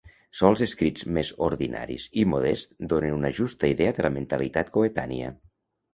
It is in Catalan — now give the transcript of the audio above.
Sols escrits més ordinaris i modests donen una justa idea de la mentalitat coetània.